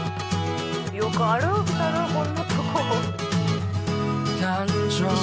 よく歩けたなこんなとこ。